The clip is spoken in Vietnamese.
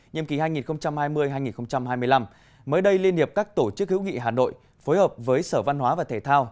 nhiệm kỳ hai nghìn hai mươi hai nghìn hai mươi năm mới đây liên hiệp các tổ chức hữu nghị hà nội phối hợp với sở văn hóa và thể thao